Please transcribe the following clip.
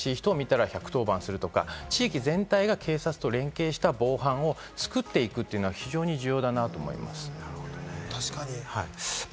なので、地域全体で怪しいところとか、怪しい人を見たら１１０番するとか、地域全体が警察と連携した防犯を作っていくというのが非常に重要だなと思いますね。